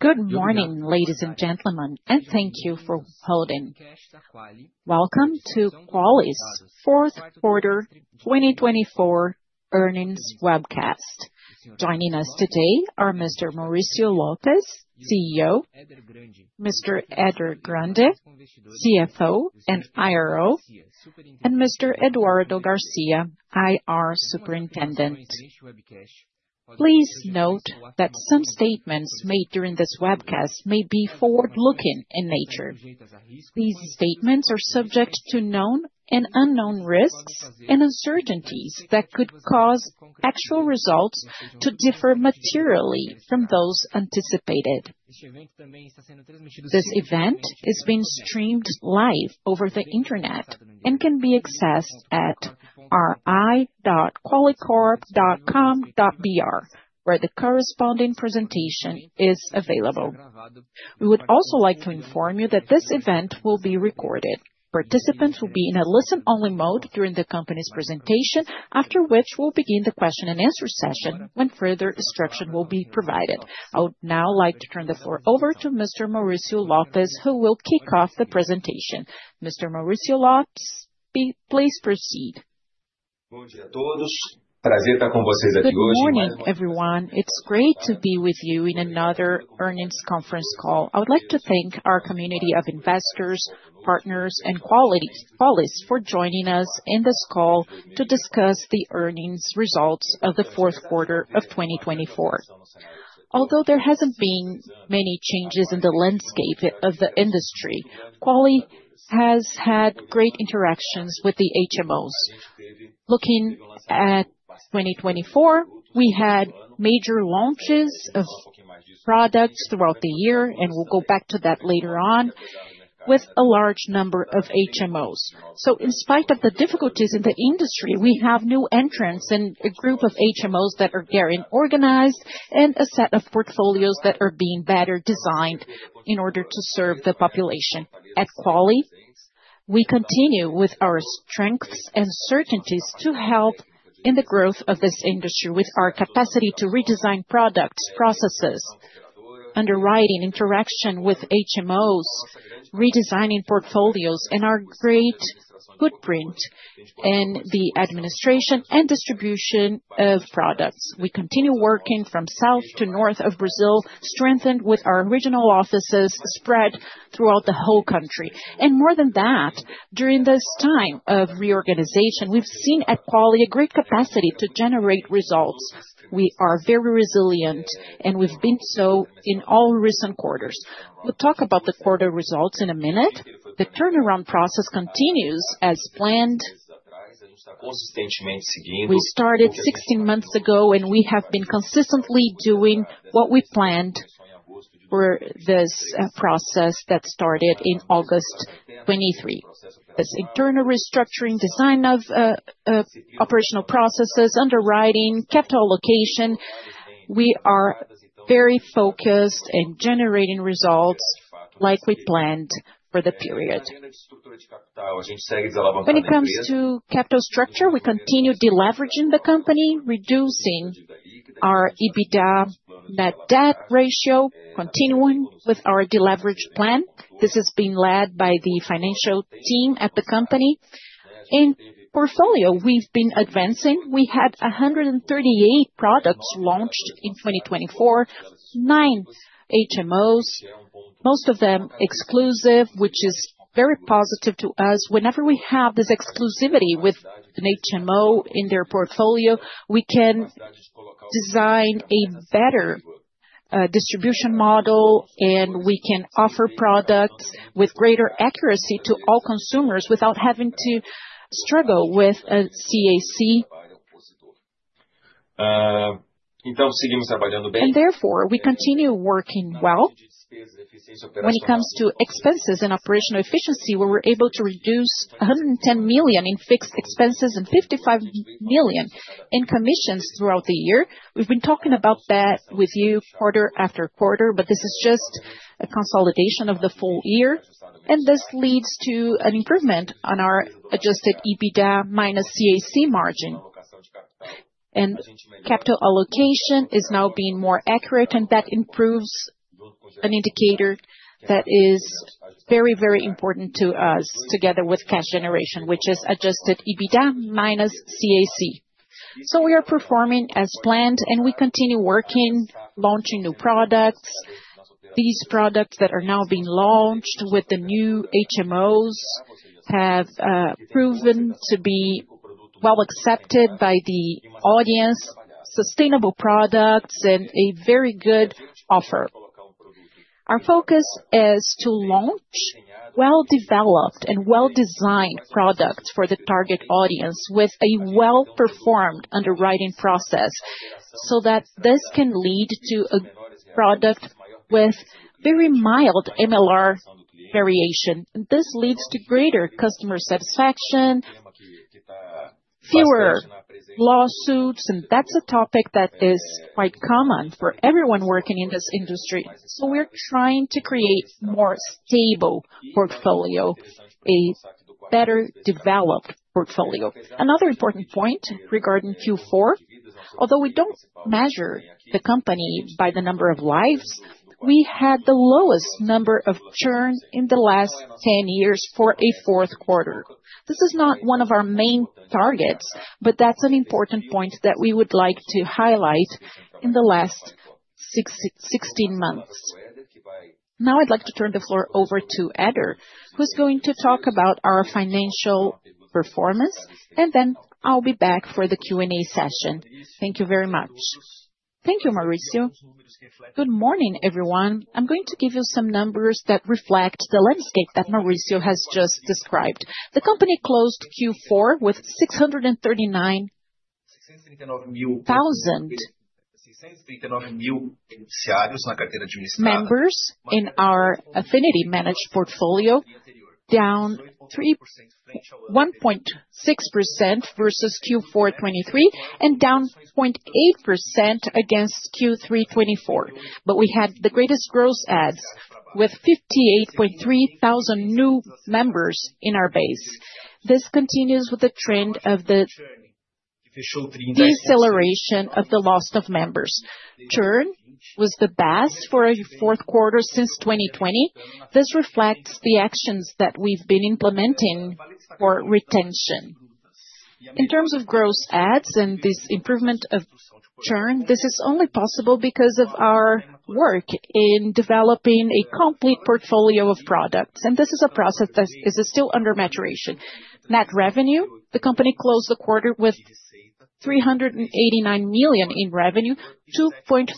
Good morning, ladies and gentlemen, and thank you for holding. Welcome to Qualicorp Q4 2024 Earnings Webcast. Joining us today are Mr. Mauricio Lopes, CEO; Mr. Edgar Grande, CFO and IRO; and Mr. Eduardo Garcia, IR Superintendent. Please note that some statements made during this webcast may be forward-looking in nature. These statements are subject to known and unknown risks and uncertainties that could cause actual results to differ materially from those anticipated. This event is being streamed live over the Internet and can be accessed at ri.qualicorp.com.br, where the corresponding presentation is available. We would also like to inform you that this event will be recorded. Participants will be in a listen-only mode during the company's presentation, after which we'll begin the question-and-answer session when further instruction will be provided. I would now like to turn the floor over to Mr. Mauricio Lopes, who will kick off the presentation. Mr. Mauricio Lopes, please proceed. Bom dia a todos. Prazer estar com vocês aqui hoje. Good morning, everyone. It's great to be with you in another earnings conference call. I would like to thank our community of investors, partners, and Qualicorp for joining us in this call to discuss the earnings results of the Q4 of 2024. Although there haven't been many changes in the landscape of the industry, Qualicorp has had great interactions with the HMOs. Looking at 2024, we had major launches of products throughout the year, and we'll go back to that later on, with a large number of HMOs. In spite of the difficulties in the industry, we have new entrants and a group of HMOs that are getting organized and a set of portfolios that are being better designed in order to serve the population. At Quali, we continue with our strengths and certainties to help in the growth of this industry with our capacity to redesign products, processes, underwriting, interaction with HMOs, redesigning portfolios, and our great footprint in the administration and distribution of products. We continue working from south to north of Brazil, strengthened with our regional offices spread throughout the whole country. And more than that, during this time of reorganization, we've seen at Quali a great capacity to generate results. We are very resilient, and we've been so in all recent quarters. We'll talk about the quarter results in a minute. The turnaround process continues as planned. We started 16 months ago, and we have been consistently doing what we planned for this process that started in August 2023. This internal restructuring, design of operational processes, underwriting, capital allocation, we are very focused and generating results like we planned for the period. When it comes to capital structure, we continue deleveraging the company, reducing our EBITDA/Net Debt ratio, continuing with our deleveraged plan. This has been led by the financial team at the company. In portfolio, we have been advancing. We had 138 products launched in 2024, nine HMOs, most of them exclusive, which is very positive to us. Whenever we have this exclusivity with an HMO in their portfolio, we can design a better distribution model, and we can offer products with greater accuracy to all consumers without having to struggle with a CAC. And therefore, we continue working well. When it comes to expenses and operational efficiency, we were able to reduce 110 million in fixed expenses and 55 million in commissions throughout the year. We've been talking about that with you quarter after quarter, but this is just a consolidation of the full year, and this leads to an improvement on our adjusted EBITDA minus CAC margin. Capital allocation is now being more accurate, and that improves an indicator that is very, very important to us together with cash generation, which is adjusted EBITDA minus CAC. We are performing as planned, and we continue working, launching new products. These products that are now being launched with the new HMOs have proven to be well accepted by the audience, sustainable products, and a very good offer. Our focus is to launch well-developed and well-designed products for the target audience with a well-performed underwriting process so that this can lead to a product with very mild MLR variation. This leads to greater customer satisfaction, fewer lawsuits, and that's a topic that is quite common for everyone working in this industry. We are trying to create a more stable portfolio, a better developed portfolio. Another important point regarding Q4, although we do not measure the company by the number of lives, we had the lowest number of churns in the last 10 years for a Q4. This is not one of our main targets, but that is an important point that we would like to highlight in the last 16 months. Now I would like to turn the floor over to Edgar, who is going to talk about our financial performance, and then I will be back for the Q&A session. Thank you very much. Thank you, Mauricio. Good morning, everyone. I am going to give you some numbers that reflect the landscape that Mauricio has just described. The company closed Q4 with 639,000 members in our Affinity Managed portfolio, down 1.6% versus Q4 2023 and down 0.8% against Q3 2024. We had the greatest growth adds with 58,300 new members in our base. This continues with the trend of the deceleration of the loss of members. Churn was the best for a Q4 since 2020. This reflects the actions that we've been implementing for retention. In terms of gross adds and this improvement of churn, this is only possible because of our work in developing a complete portfolio of products, and this is a process that is still under maturation. Net revenue, the company closed the quarter with 389 million in revenue, 2.3%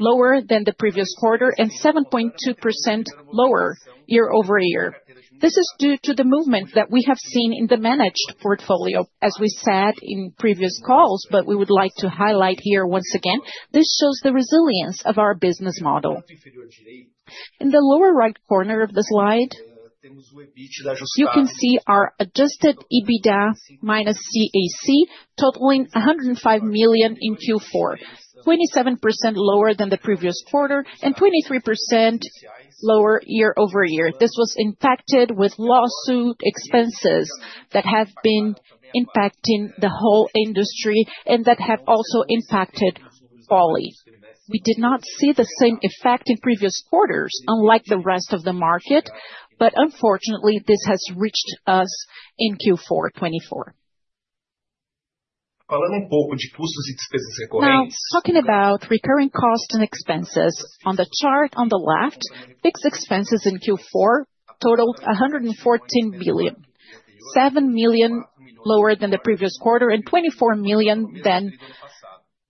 lower than the previous quarter and 7.2% lower year over year. This is due to the movement that we have seen in the managed portfolio. As we said in previous calls, but we would like to highlight here once again, this shows the resilience of our business model. In the lower right corner of the slide, you can see our adjusted EBITDA minus CAC totaling 105 million in Q4, 27% lower than the previous quarter and 23% lower year over year. This was impacted with lawsuit expenses that have been impacting the whole industry and that have also impacted Qualicorp. We did not see the same effect in previous quarters, unlike the rest of the market, but unfortunately, this has reached us in Q4 2024. Talking about recurring costs and expenses, on the chart on the left, fixed expenses in Q4 totaled 114 million, 7 million lower than the previous quarter and 24 million than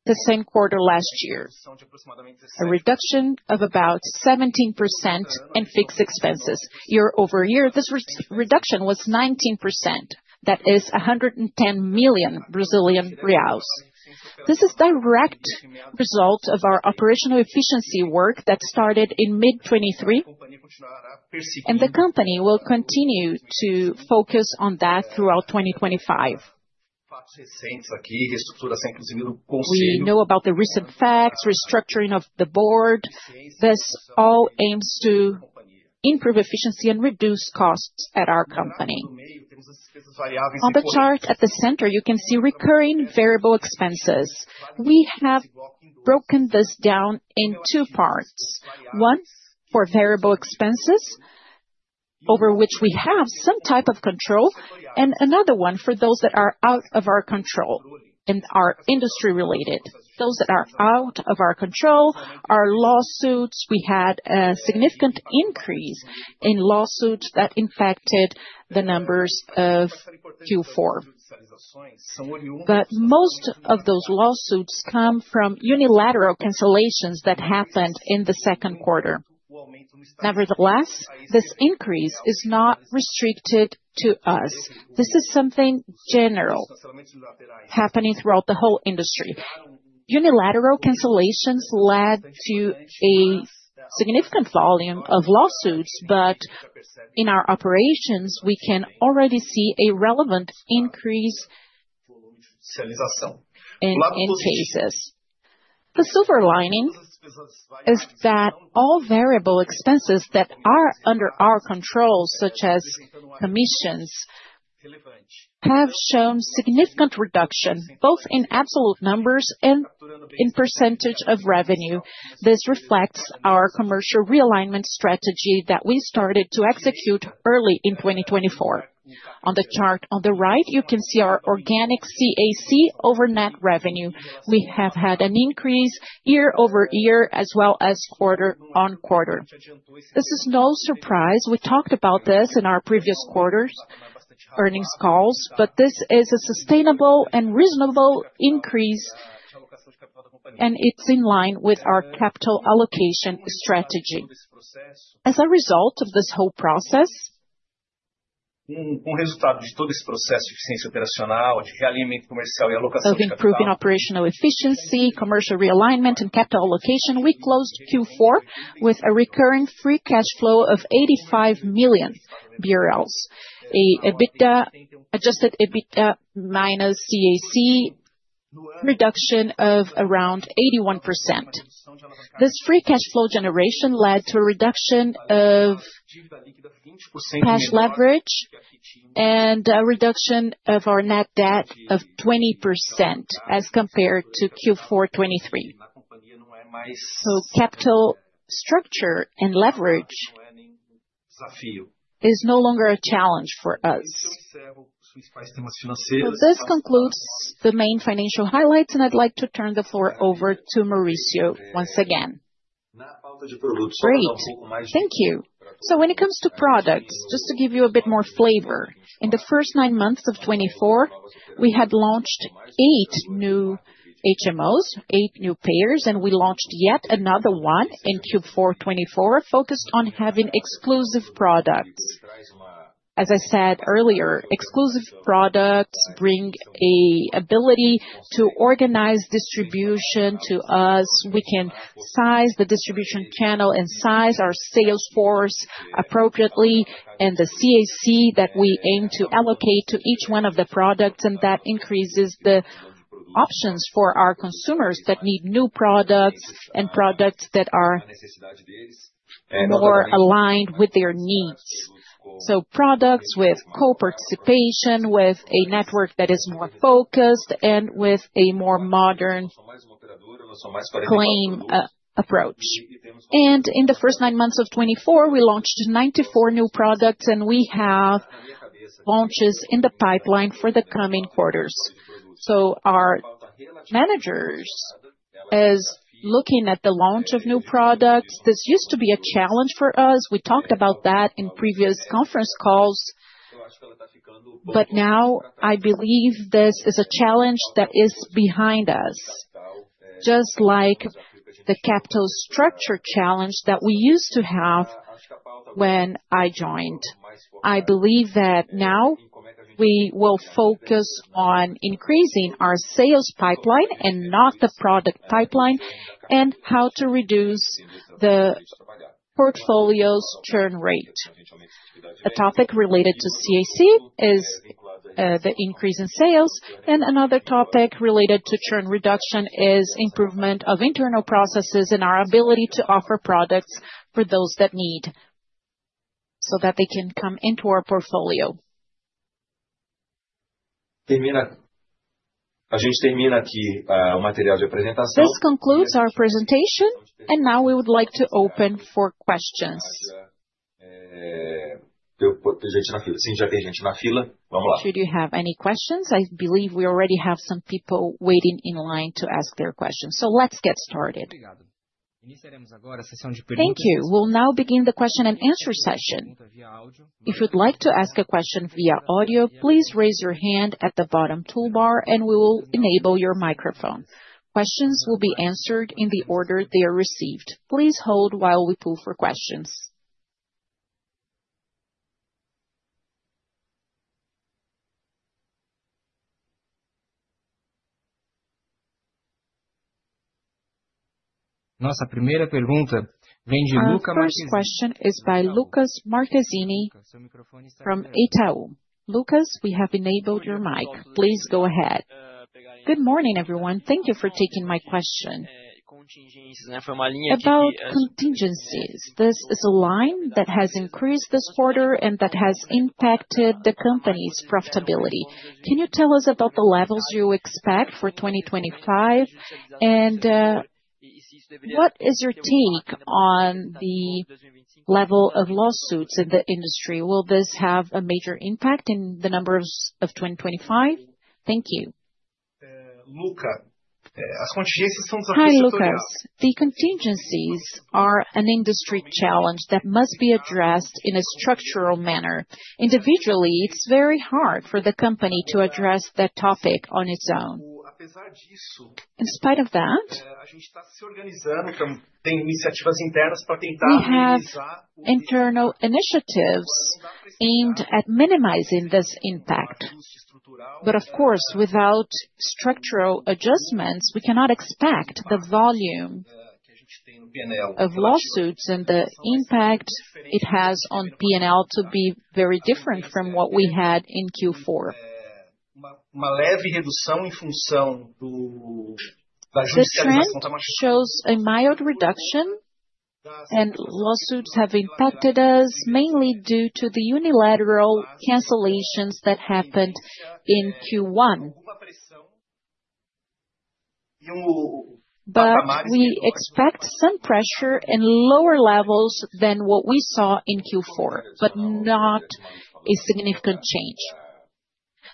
the same quarter last year, a reduction of about 17% in fixed expenses. Year over year, this reduction was 19%. That is 110 million Brazilian reais. This is a direct result of our operational efficiency work that started in mid-2023, and the company will continue to focus on that throughout 2025. We know about the recent facts, restructuring of the board. This all aims to improve efficiency and reduce costs at our company. On the chart at the center, you can see recurring variable expenses. We have broken this down in two parts. One for variable expenses, over which we have some type of control, and another one for those that are out of our control and are industry-related. Those that are out of our control are lawsuits. We had a significant increase in lawsuits that impacted the numbers of Q4. Most of those lawsuits come from unilateral cancellations that happened in the Q2. Nevertheless, this increase is not restricted to us. This is something general happening throughout the whole industry. Unilateral cancellations led to a significant volume of lawsuits, but in our operations, we can already see a relevant increase in cases. The silver lining is that all variable expenses that are under our control, such as commissions, have shown significant reduction, both in absolute numbers and in percentage of revenue. This reflects our commercial realignment strategy that we started to execute early in 2024. On the chart on the right, you can see our organic CAC over net revenue. We have had an increase year over year, as well as quarter on quarter. This is no surprise. We talked about this in our previous quarter's earnings calls, but this is a sustainable and reasonable increase, and it's in line with our capital allocation strategy. As a result of this whole process, improving operational efficiency, commercial realignment, and capital allocation, we closed Q4 with a recurring free cash flow of 85 million BRL, an adjusted EBITDA minus CAC reduction of around 81%. This free cash flow generation led to a reduction of cash leverage and a reduction of our net debt of 20% as compared to Q4 2023. Capital structure and leverage is no longer a challenge for us. This concludes the main financial highlights, and I'd like to turn the floor over to Mauricio once again. Great. Thank you. When it comes to products, just to give you a bit more flavor, in the first nine months of 2024, we had launched eight new HMOs, eight new payers, and we launched yet another one in Q4 2024 focused on having exclusive products. As I said earlier, exclusive products bring an ability to organize distribution to us. We can size the distribution channel and size our sales force appropriately and the CAC that we aim to allocate to each one of the products, and that increases the options for our consumers that need new products and products that are more aligned with their needs. Products with co-participation, with a network that is more focused and with a more modern claim approach. In the first nine months of 2024, we launched 94 new products, and we have launches in the pipeline for the coming quarters. Our managers are looking at the launch of new products. This used to be a challenge for us. We talked about that in previous conference calls, but now I believe this is a challenge that is behind us, just like the capital structure challenge that we used to have when I joined. I believe that now we will focus on increasing our sales pipeline and not the product pipeline and how to reduce the portfolio's churn rate. A topic related to CAC is the increase in sales, and another topic related to churn reduction is the improvement of internal processes and our ability to offer products for those that need so that they can come into our portfolio. This concludes our presentation, and now we would like to open for questions. Should you have any questions? I believe we already have some people waiting in line to ask their questions. Let's get started. Thank you. We'll now begin the question and answer session. If you'd like to ask a question via audio, please raise your hand at the bottom toolbar, and we will enable your microphone. Questions will be answered in the order they are received. Please hold while we pull for questions. Nossa primeira pergunta vem de Lucca Marquezini. The first question is by Lucca Marquezini from Itaú. Luca, we have enabled your mic. Please go ahead. Good morning, everyone. Thank you for taking my question. About contingencies, this is a line that has increased this quarter and that has impacted the company's profitability. Can you tell us about the levels you expect for 2025, and what is your take on the level of lawsuits in the industry? Will this have a major impact in the number of 2025? Thank you. Hi, Lucca. The contingencies are an industry challenge that must be addressed in a structural manner. Individually, it's very hard for the company to address that topic on its own. In spite of that, we have internal initiatives aimed at minimizing this impact. Of course, without structural adjustments, we cannot expect the volume of lawsuits and the impact it has on P&L to be very different from what we had in Q4. This shows a mild reduction, and lawsuits have impacted us mainly due to the unilateral cancellations that happened in Q1. We expect some pressure and lower levels than what we saw in Q4, but not a significant change.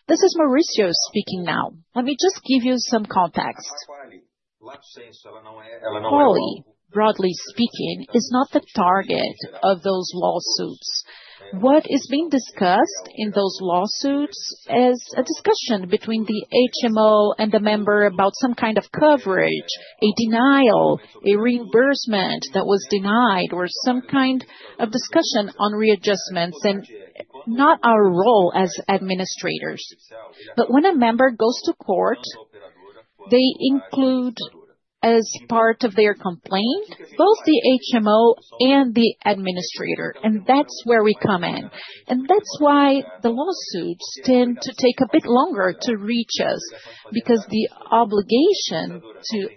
This is Mauricio speaking now. Let me just give you some context. Quali, broadly speaking, is not the target of those lawsuits. What is being discussed in those lawsuits is a discussion between the HMO and the member about some kind of coverage, a denial, a reimbursement that was denied, or some kind of discussion on readjustments, and not our role as administrators. When a member goes to court, they include as part of their complaint both the HMO and the administrator, and that's where we come in. That's why the lawsuits tend to take a bit longer to reach us, because the obligation to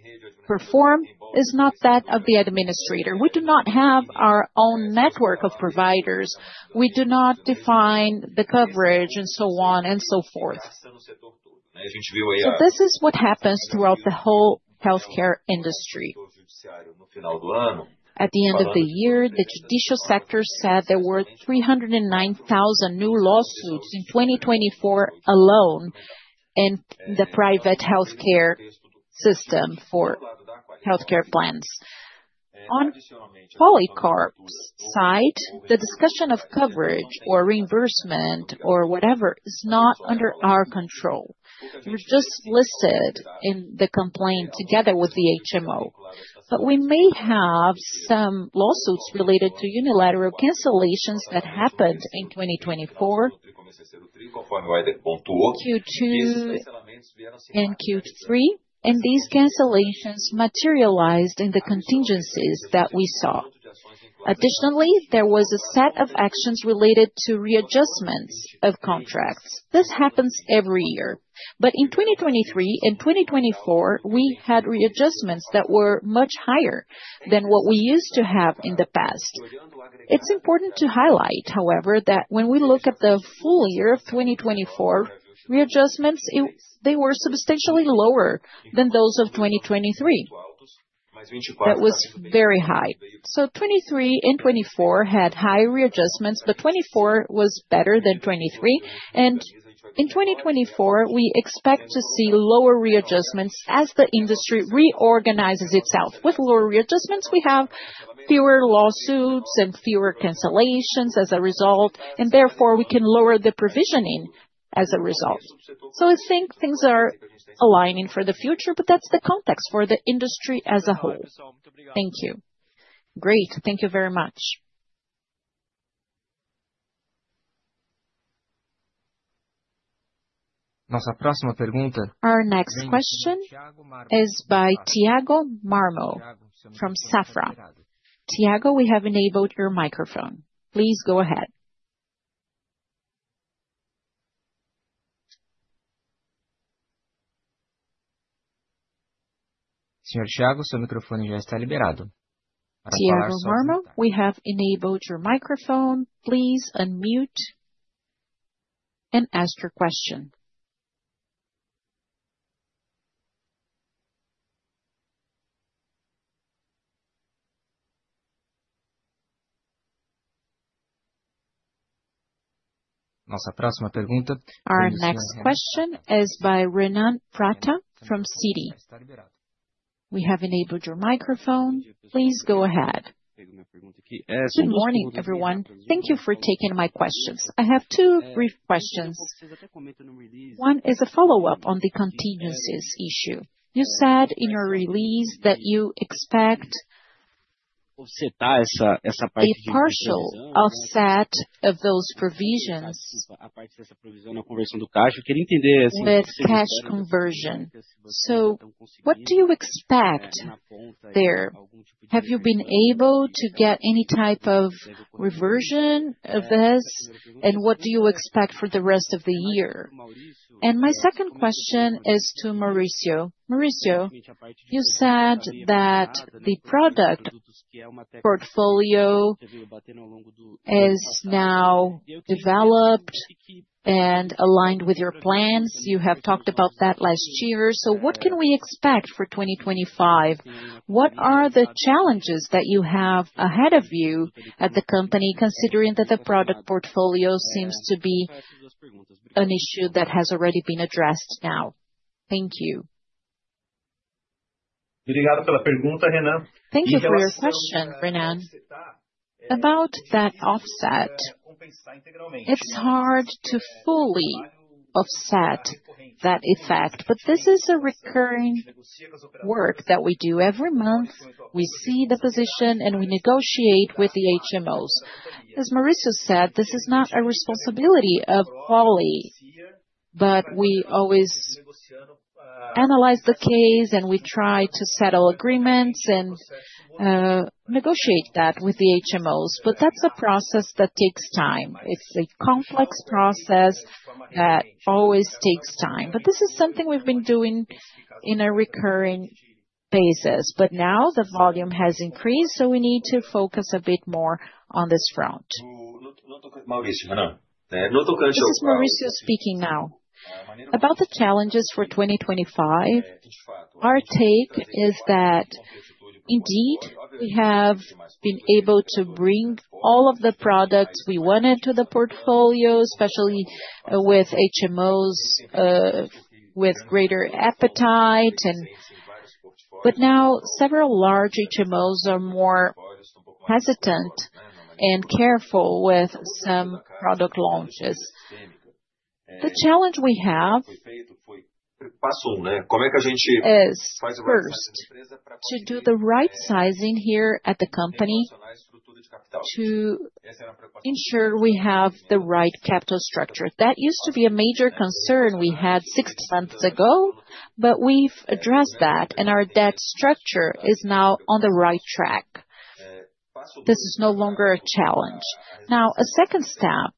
perform is not that of the administrator. We do not have our own network of providers. We do not define the coverage and so on and so forth. This is what happens throughout the whole healthcare industry. At the end of the year, the judicial sector said there were 309,000 new lawsuits in 2024 alone in the private healthcare system for healthcare plans. On Qualicorp's side, the discussion of coverage or reimbursement or whatever is not under our control. We're just listed in the complaint together with the HMO. We may have some lawsuits related to unilateral cancellations that happened in 2024, Q2 and Q3, and these cancellations materialized in the contingencies that we saw. Additionally, there was a set of actions related to readjustments of contracts. This happens every year. In 2023 and 2024, we had readjustments that were much higher than what we used to have in the past. It's important to highlight, however, that when we look at the full year of 2024, readjustments, they were substantially lower than those of 2023. That was very high. '23 and '24 had high readjustments, but '24 was better than '23. In 2024, we expect to see lower readjustments as the industry reorganizes itself. With lower readjustments, we have fewer lawsuits and fewer cancellations as a result, and therefore we can lower the provisioning as a result. I think things are aligning for the future, but that is the context for the industry as a whole. Thank you. Great. Thank you very much. Nossa próxima pergunta. Our next question is by Thiago Marmo, from Safra. Tiago, we have enabled your microphone. Please go ahead. Senhor Thiago, seu microfone já está liberado. Thiago Marmo, we have enabled your microphone. Please unmute and ask your question. Nossa próxima pergunta. Our next question is by Renan Prata, from Citi. We have enabled your microphone. Please go ahead. Good morning, everyone. Thank you for taking my questions. I have two brief questions. One is a follow-up on the contingencies issue. You said in your release that you expect a partial offset of those provisions with cash conversion. What do you expect there? Have you been able to get any type of reversion of this, and what do you expect for the rest of the year? My second question is to Mauricio. Mauricio, you said that the product portfolio is now developed and aligned with your plans. You have talked about that last year. What can we expect for 2025? What are the challenges that you have ahead of you at the company, considering that the product portfolio seems to be an issue that has already been addressed now? Thank you. Thank you for your question, Renan. About that offset, it's hard to fully offset that effect, but this is a recurring work that we do every month. We see the position, and we negotiate with the HMOs. As Mauricio said, this is not a responsibility of Qualicorp, but we always analyze the case, and we try to settle agreements and negotiate that with the HMOs. That is a process that takes time. It is a complex process that always takes time. This is something we have been doing on a recurring basis. Now the volume has increased, so we need to focus a bit more on this front. This is Mauricio speaking now. About the challenges for 2025, our take is that indeed we have been able to bring all of the products we wanted to the portfolio, especially with HMOs with greater appetite. Now several large HMOs are more hesitant and careful with some product launches. The challenge we have is to do the right sizing here at the company to ensure we have the right capital structure. That used to be a major concern we had six months ago, but we've addressed that, and our debt structure is now on the right track. This is no longer a challenge. Now, a second step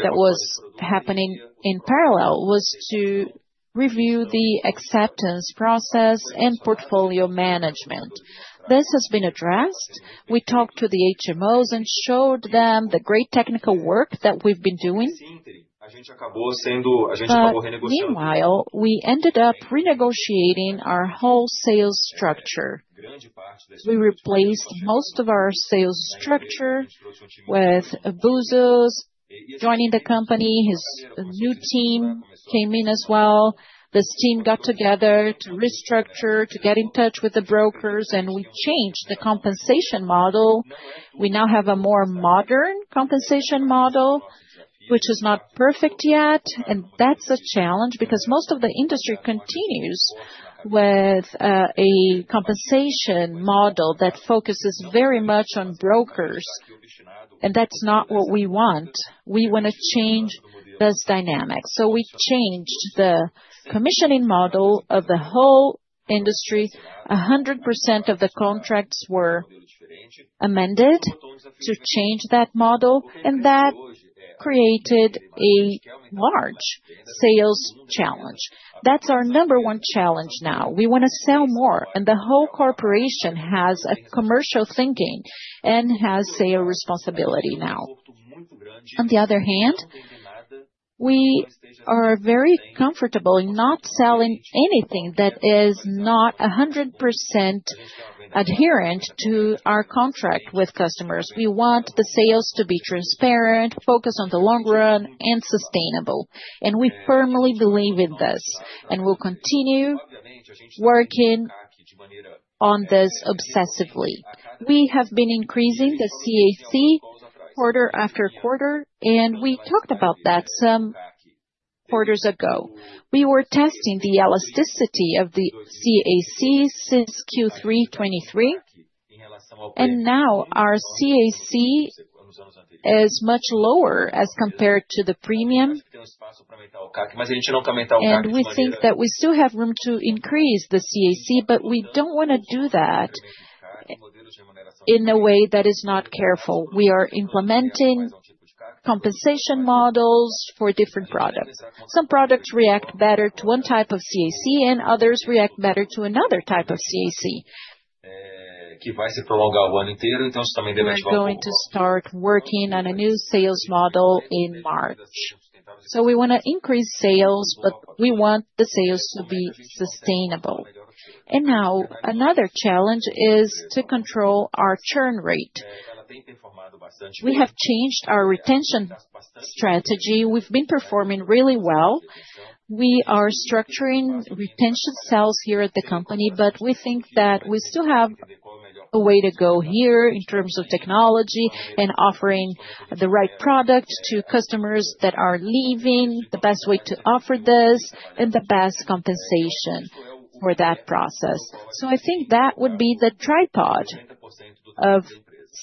that was happening in parallel was to review the acceptance process and portfolio management. This has been addressed. We talked to the HMOs and showed them the great technical work that we've been doing. Meanwhile, we ended up renegotiating our whole sales structure. We replaced most of our sales structure with Bustos. Joining the company, his new team came in as well. This team got together to restructure, to get in touch with the brokers, and we changed the compensation model. We now have a more modern compensation model, which is not perfect yet, and that's a challenge because most of the industry continues with a compensation model that focuses very much on brokers, and that's not what we want. We want to change this dynamic. We changed the commissioning model of the whole industry. 100% of the contracts were amended to change that model, and that created a large sales challenge. That's our number one challenge now. We want to sell more, and the whole corporation has a commercial thinking and has sales responsibility now. On the other hand, we are very comfortable in not selling anything that is not 100% adherent to our contract with customers. We want the sales to be transparent, focused on the long run, and sustainable. We firmly believe in this, and we'll continue working on this obsessively. We have been increasing the CAC quarter after quarter, and we talked about that some quarters ago. We were testing the elasticity of the CAC since Q3 2023, and now our CAC is much lower as compared to the premium. We think that we still have room to increase the CAC, but we do not want to do that in a way that is not careful. We are implementing compensation models for different products. Some products react better to one type of CAC, and others react better to another type of CAC. We are going to start working on a new sales model in March. We want to increase sales, but we want the sales to be sustainable. Another challenge is to control our churn rate. We have changed our retention strategy. We have been performing really well. We are structuring retention sales here at the company, but we think that we still have a way to go here in terms of technology and offering the right product to customers that are leaving, the best way to offer this, and the best compensation for that process. I think that would be the tripod of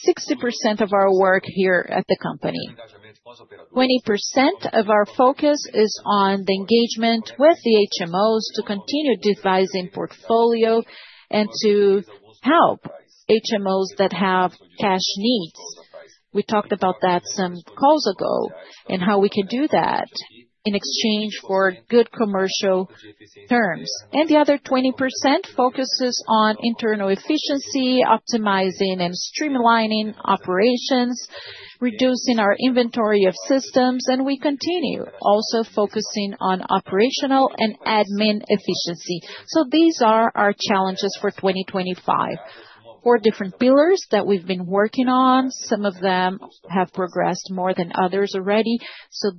60% of our work here at the company. 20% of our focus is on the engagement with the HMOs to continue devising portfolio and to help HMOs that have cash needs. We talked about that some calls ago and how we can do that in exchange for good commercial terms. The other 20% focuses on internal efficiency, optimizing and streamlining operations, reducing our inventory of systems, and we continue also focusing on operational and admin efficiency. These are our challenges for 2025, four different pillars that we've been working on. Some of them have progressed more than others already.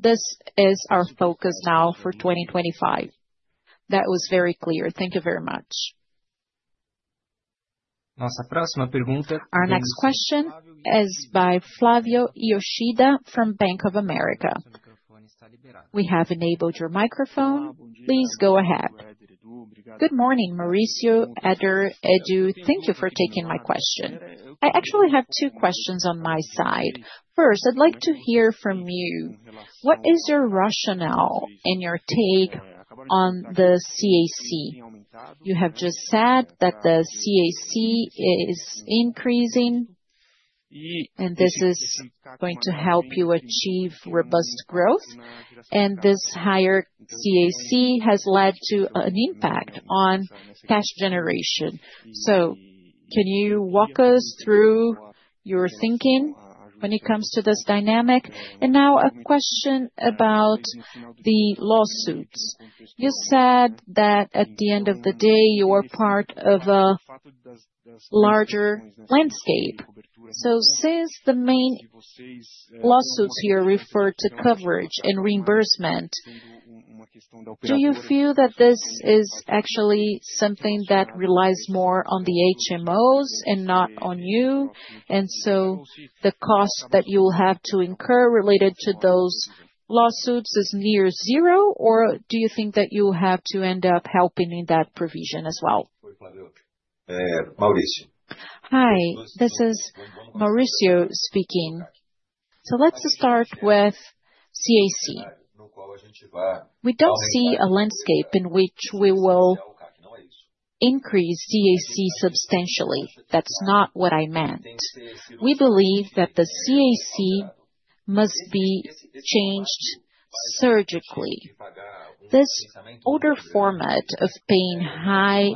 This is our focus now for 2025. That was very clear. Thank you very much. Nossa próxima pergunta. Our next question is by Flávio Yoshida from Bank of America. We have enabled your microphone. Please go ahead. Good morning, Mauricio, Edu, Edu. Thank you for taking my question. I actually have two questions on my side. First, I'd like to hear from you. What is your rationale and your take on the CAC? You have just said that the CAC is increasing, and this is going to help you achieve robust growth. This higher CAC has led to an impact on cash generation. Can you walk us through your thinking when it comes to this dynamic? Now a question about the lawsuits. You said that at the end of the day, you are part of a larger landscape. Since the main lawsuits here refer to coverage and reimbursement, do you feel that this is actually something that relies more on the HMOs and not on you? The cost that you will have to incur related to those lawsuits is near zero, or do you think that you will have to end up helping in that provision as well? Hi, this is Mauricio speaking. Let's start with CAC. We do not see a landscape in which we will increase CAC substantially. That is not what I meant. We believe that the CAC must be changed surgically. This older format of paying high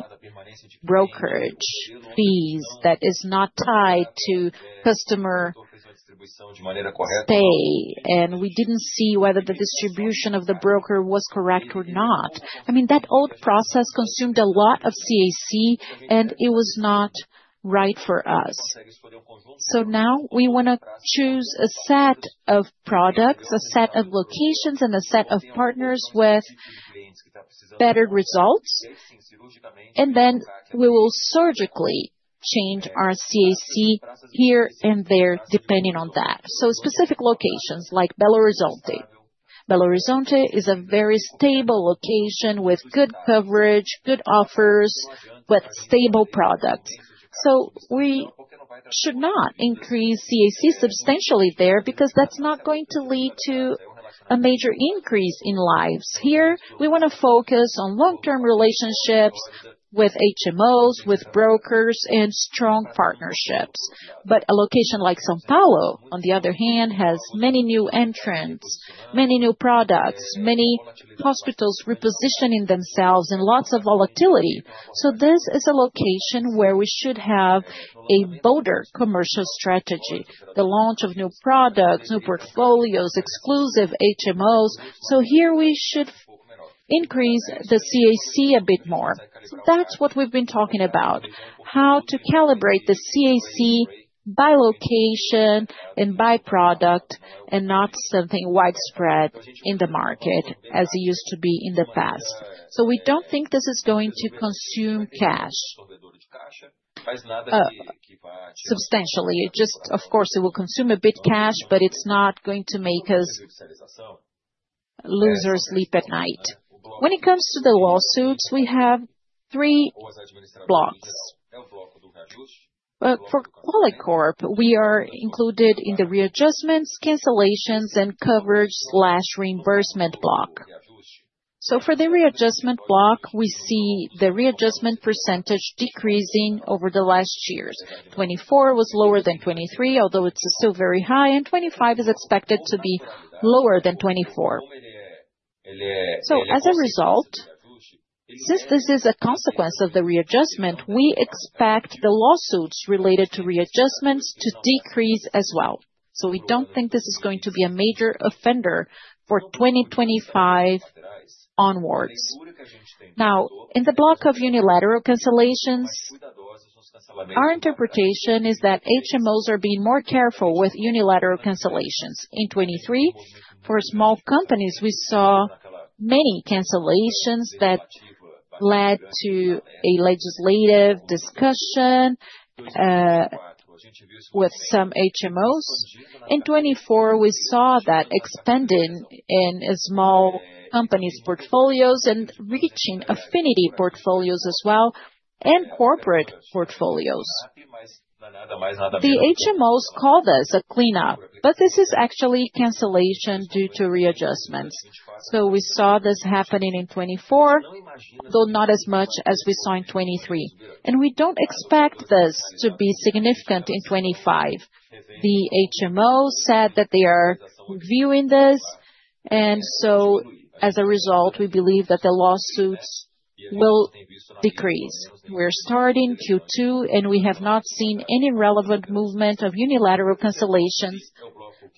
brokerage fees that is not tied to customer pay, and we did not see whether the distribution of the broker was correct or not. I mean, that old process consumed a lot of CAC, and it was not right for us. Now we want to choose a set of products, a set of locations, and a set of partners with better results, and then we will surgically change our CAC here and there depending on that. Specific locations like Belo Horizonte. Belo Horizonte is a very stable location with good coverage, good offers, with stable products. We should not increase CAC substantially there because that is not going to lead to a major increase in lives. Here, we want to focus on long-term relationships with HMOs, with brokers, and strong partnerships. A location like São Paulo, on the other hand, has many new entrants, many new products, many hospitals repositioning themselves, and lots of volatility. This is a location where we should have a bolder commercial strategy, the launch of new products, new portfolios, exclusive HMOs. Here we should increase the CAC a bit more. That is what we have been talking about, how to calibrate the CAC by location and by product and not something widespread in the market as it used to be in the past. We do not think this is going to consume cash substantially. Of course, it will consume a bit of cash, but it is not going to make us lose sleep at night. When it comes to the lawsuits, we have three blocks. For Qualicorp, we are included in the readjustments, cancellations, and coverage/reimbursement block. For the readjustment block, we see the readjustment percentage decreasing over the last years. Twenty-four was lower than twenty-three, although it's still very high, and twenty-five is expected to be lower than twenty-four. As a result, since this is a consequence of the readjustment, we expect the lawsuits related to readjustments to decrease as well. We do not think this is going to be a major offender for 2025 onwards. In the block of unilateral cancellations, our interpretation is that HMOs are being more careful with unilateral cancellations. In 2023, for small companies, we saw many cancellations that led to a legislative discussion with some HMOs. In 2024, we saw that expanding in small companies' portfolios and reaching affinity portfolios as well and corporate portfolios. The HMOs called this a cleanup, but this is actually cancellation due to readjustments. We saw this happening in 2024, though not as much as we saw in 2023. We do not expect this to be significant in 2025. The HMO said that they are reviewing this, and as a result, we believe that the lawsuits will decrease. We are starting Q2, and we have not seen any relevant movement of unilateral cancellations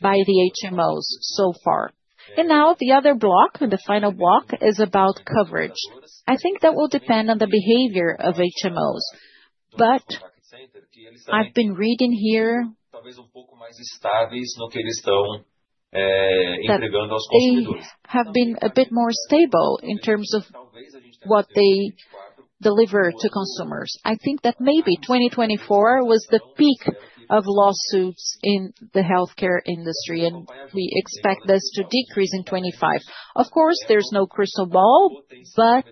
by the HMOs so far. Now the other block, the final block, is about coverage. I think that will depend on the behavior of HMOs, but I have been reading here. E que eles estão entregando aos consumidores. They have been a bit more stable in terms of what they deliver to consumers. I think that maybe 2024 was the peak of lawsuits in the healthcare industry, and we expect this to decrease in 2025. Of course, there is no crystal ball, but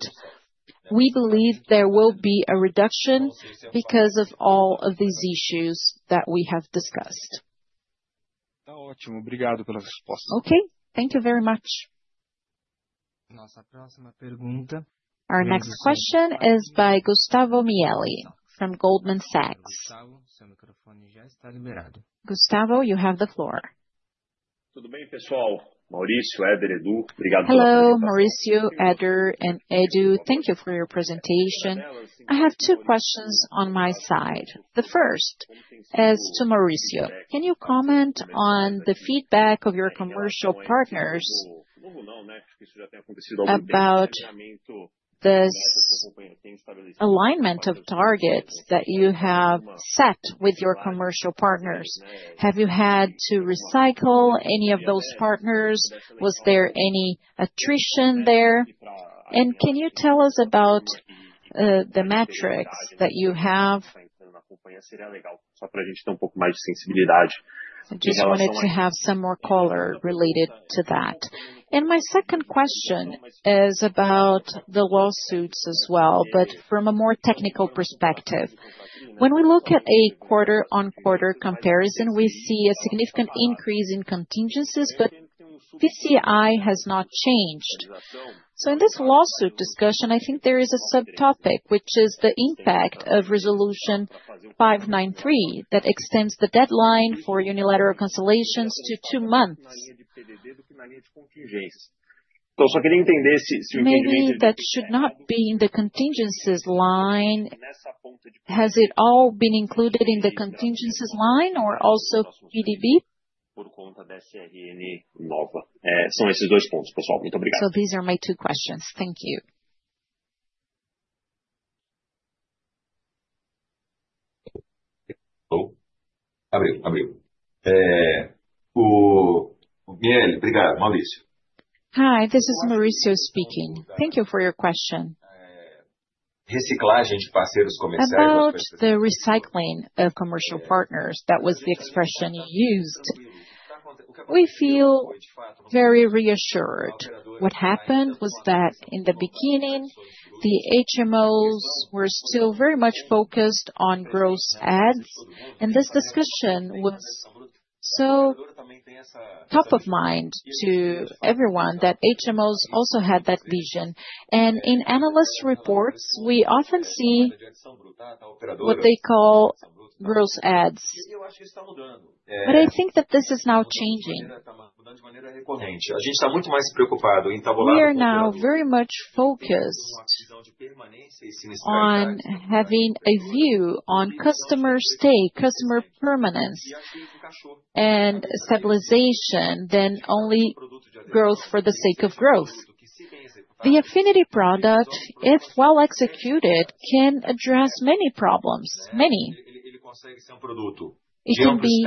we believe there will be a reduction because of all of these issues that we have discussed. Okay, thank you very much. Our next question is by Gustavo Miele from Goldman Sachs. Gustavo, you have the floor. Tudo bem, pessoal? Mauricio, Eder, Edu, obrigado pela apresentação. Hello, Mauricio, Eder, and Edu. Thank you for your presentation. I have two questions on my side. The first is to Mauricio. Can you comment on the feedback of your commercial partners about this alignment of targets that you have set with your commercial partners? Have you had to recycle any of those partners? Was there any attrition there? Can you tell us about the metrics that you have? Só pra gente ter pouco mais de sensibilidade. Just wanted to have some more color related to that. My second question is about the lawsuits as well, but from a more technical perspective. When we look at a quarter-on-quarter comparison, we see a significant increase in contingencies, but PCLD has not changed. In this lawsuit discussion, I think there is a subtopic, which is the impact of Resolution 593 that extends the deadline for unilateral cancellations to two months. Então, eu só queria entender se o entendimento de. That should not be in the contingencies line. Has it all been included in the contingencies line or also PDD? Por conta dessa nova. São esses dois pontos, pessoal. Muito obrigado. These are my two questions. Thank you. Abriu, abriu. O Mielli, obrigado. Mauricio. Hi, this is Mauricio speaking. Thank you for your question. Reciclagem de parceiros comerciais. About the recycling of commercial partners, that was the expression you used. We feel very reassured. What happened was that in the beginning, the HMOs were still very much focused on gross ads, and this discussion was so top of mind to everyone that HMOs also had that vision. In analyst reports, we often see what they call gross ads. I think that this is now changing. A gente está muito mais preocupado em. We are now very much focused on having a view on customer stay, customer permanence, and stabilization than only growth for the sake of growth. The affinity product, if well executed, can address many problems. Ele consegue ser produto. It can be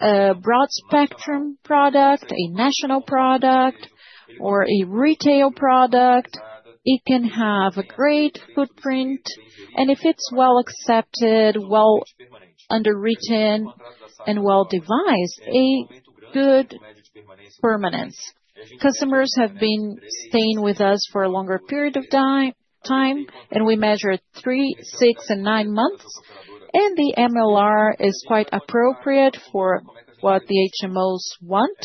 a broad spectrum product, a national product, or a retail product. It can have a great footprint, and if it's well accepted, well underwritten, and well devised, a good permanence. Customers have been staying with us for a longer period of time, and we measure three, six, and nine months, and the MLR is quite appropriate for what the HMOs want.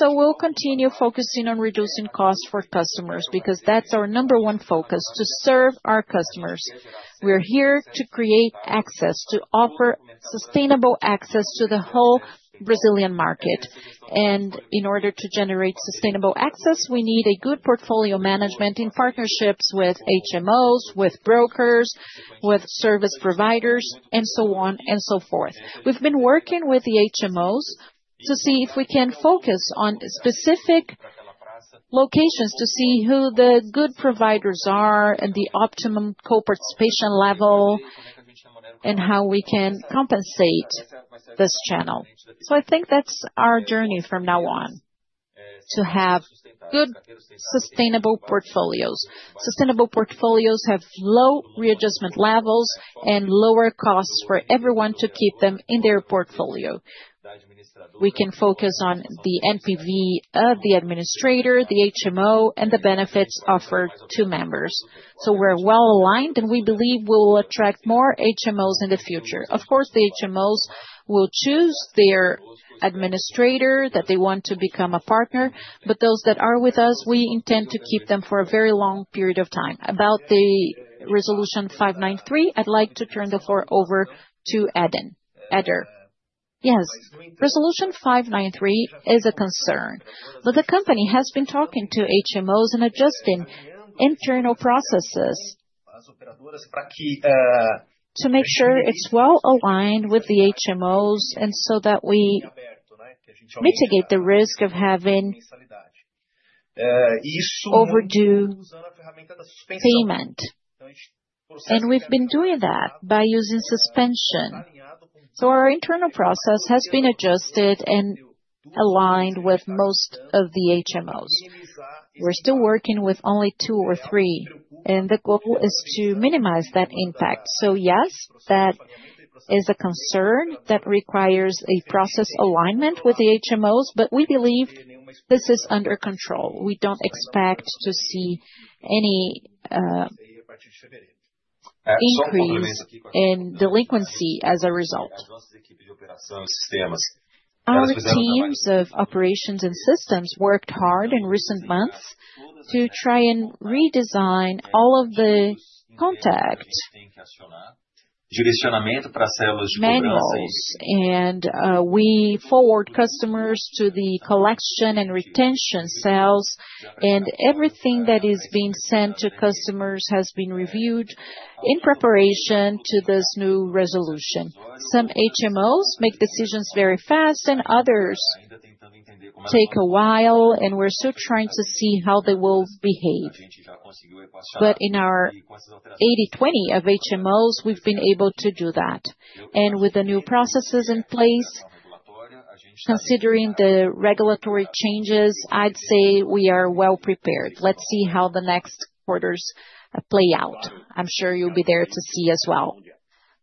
We will continue focusing on reducing costs for customers because that's our number one focus: to serve our customers. We are here to create access, to offer sustainable access to the whole Brazilian market. In order to generate sustainable access, we need a good portfolio management in partnerships with HMOs, with brokers, with service providers, and so on and so forth. We've been working with the HMOs to see if we can focus on specific locations to see who the good providers are and the optimum co-participation level and how we can compensate this channel. I think that's our journey from now on to have good sustainable portfolios. Sustainable portfolios have low readjustment levels and lower costs for everyone to keep them in their portfolio. We can focus on the NPV of the administrator, the HMO, and the benefits offered to members. We are well aligned, and we believe we will attract more HMOs in the future. Of course, the HMOs will choose their administrator that they want to become a partner, but those that are with us, we intend to keep them for a very long period of time. About the Resolution 593, I'd like to turn the floor over to Edgar. Edgar. Yes, Resolution 593 is a concern, but the company has been talking to HMOs and adjusting internal processes to make sure it's well aligned with the HMOs and so that we mitigate the risk of having overdue payment. We've been doing that by using suspension. Our internal process has been adjusted and aligned with most of the HMOs. We're still working with only two or three, and the goal is to minimize that impact. Yes, that is a concern that requires a process alignment with the HMOs, but we believe this is under control. We don't expect to see any increase in delinquency as a result. Our teams of operations and systems worked hard in recent months to try and redesign all of the contact manuals, and we forward customers to the collection and retention cells, and everything that is being sent to customers has been reviewed in preparation to this new resolution. Some HMOs make decisions very fast, others take a while, and we're still trying to see how they will behave. In our 80 to 20 of HMOs, we've been able to do that. With the new processes in place, considering the regulatory changes, I'd say we are well prepared. Let's see how the next quarters play out. I'm sure you'll be there to see as well.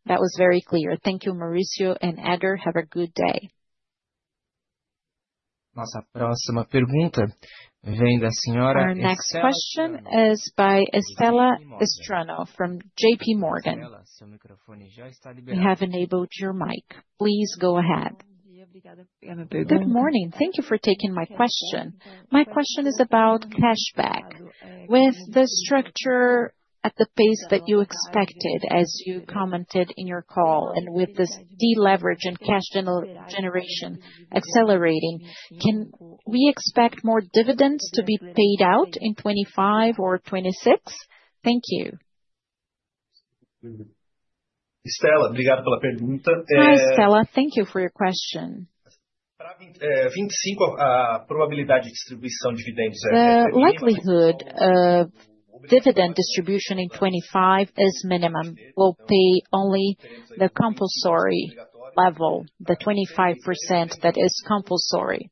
That was very clear. Thank you, Mauricio and Eder. Have a good day. Nossa próxima pergunta vem da senhora. Our next question is by Stella Estrano from JP Morgan. You have enabled your mic. Please go ahead. Good morning. Thank you for taking my question. My question is about cashback. With the structure at the pace that you expected, as you commented in your call, and with this deleverage and cash generation accelerating, can we expect more dividends to be paid out in 2025 or 2026? Thank you. Estela, obrigado pela pergunta. Hi, Estela. Thank you for your question. Para 2025, a probabilidade de distribuição de dividendos é. The likelihood of dividend distribution in 2025 is minimum. We'll pay only the compulsory level, the 25% that is compulsory.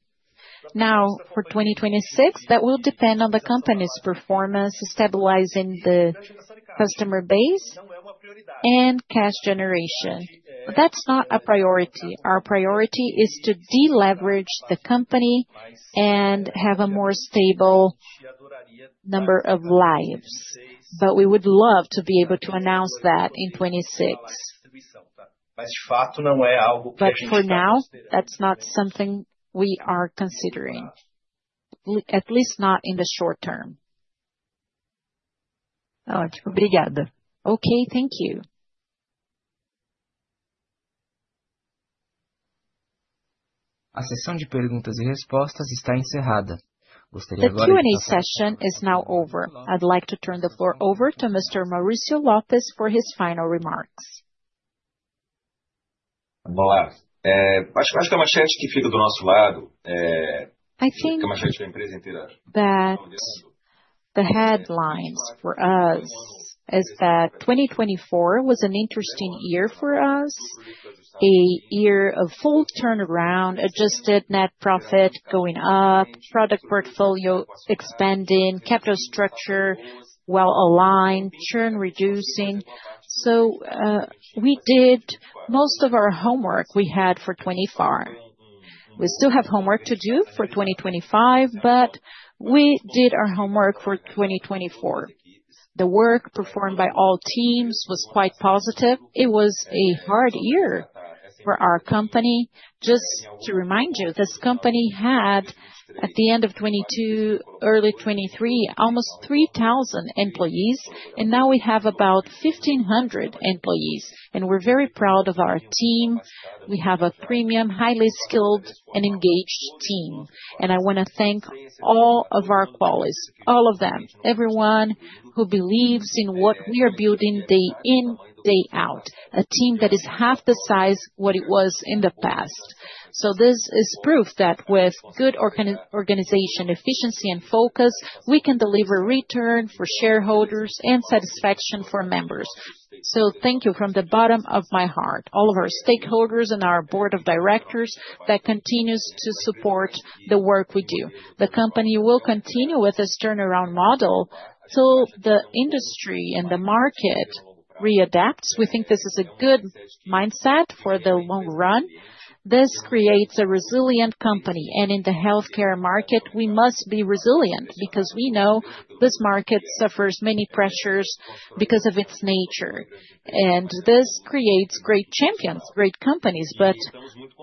Now, for 2026, that will depend on the company's performance, stabilizing the customer base, and cash generation. That's not a priority. Our priority is to deleverage the company and have a more stable number of lives, but we would love to be able to announce that in 2026. Mas de fato não é algo que a gente está. For now, that's not something we are considering, at least not in the short term. Ótimo, obrigada. Okay, thank you. A sessão de perguntas e respostas está encerrada. Gostaria agora de. The Q&A session is now over. I'd like to turn the floor over to Mr. Mauricio Lopes for his final remarks. Vamos lá. Acho que é uma chance que fica do nosso lado. I think. Acho que é uma chance que a empresa inteira. The headlines for us is that 2024 was an interesting year for us, a year of full turnaround, adjusted net profit going up, product portfolio expanding, capital structure well aligned, churn reducing. We did most of our homework we had for 2024. We still have homework to do for 2025, but we did our homework for 2024. The work performed by all teams was quite positive. It was a hard year for our company. Just to remind you, this company had, at the end of 2022, early 2023, almost 3,000 employees, and now we have about 1,500 employees, and we're very proud of our team. We have a premium, highly skilled, and engaged team, and I want to thank all of our qualities, all of them, everyone who believes in what we are building day in, day out, a team that is half the size of what it was in the past. This is proof that with good organization, efficiency, and focus, we can deliver return for shareholders and satisfaction for members. Thank you from the bottom of my heart, all of our stakeholders and our board of directors that continue to support the work we do. The company will continue with this turnaround model till the industry and the market readapt. We think this is a good mindset for the long run. This creates a resilient company, and in the healthcare market, we must be resilient because we know this market suffers many pressures because of its nature, and this creates great champions, great companies, but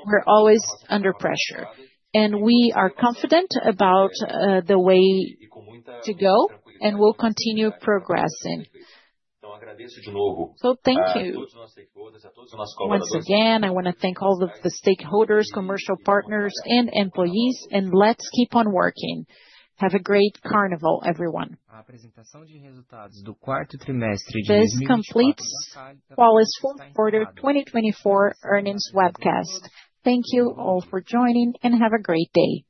we're always under pressure, and we are confident about the way to go and will continue progressing. Então, agradeço de novo. Thank you. Once again, I want to thank all of the stakeholders, commercial partners, and employees, and let's keep on working. Have a great carnival, everyone. A apresentação de resultados do quarto trimestre de 2024. This completes Qualicorp's full quarter 2024 earnings webcast. Thank you all for joining and have a great day.